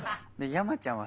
山ちゃんはさ